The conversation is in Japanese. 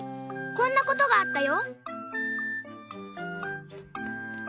こんなことがあったよ。